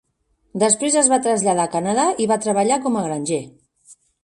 Després es va traslladar a Canadà i va treballar com a granger.